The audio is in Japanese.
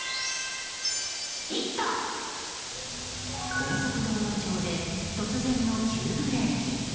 高速道路上で突然の急ブレーキ。